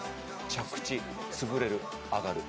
着地潰れる上がる